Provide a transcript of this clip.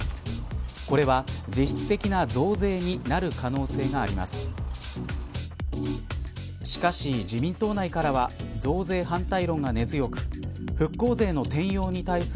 これは実質的な増税になる可能性があります。